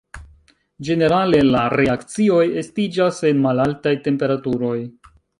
Ĝenerale la reakcioj estiĝas en malaltaj temperaturoj.